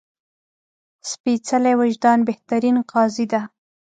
سپېڅلی وجدان بهترین قاضي ده